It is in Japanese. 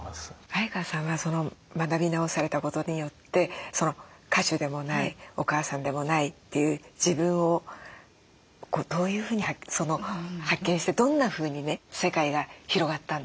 相川さんは学び直されたことによって歌手でもないお母さんでもないという自分をどういうふうに発見してどんなふうにね世界が広がったんですか？